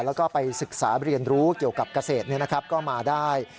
แล้วก็ไปศึกษาเรียนรู้เกี่ยวกับเกษตรก็มาได้